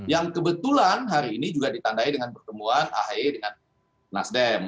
yang kebetulan hari ini juga ditandai dengan pertemuan a h e dengan nasdem